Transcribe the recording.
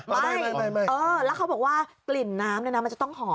ไม่ไม่ไม่ไม่เออแล้วเขาบอกว่ากลิ่นน้ำน่ะนะมันจะต้องหอม